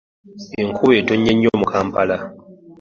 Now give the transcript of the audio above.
Enkuba etonnye nnyo mu Kampala.